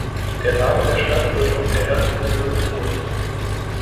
Der Name der Stadt wird auf der ersten Silbe betont.